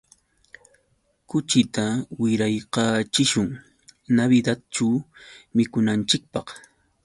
Kuchita wiraykachishun Navidadćhu mikunanchikpaq.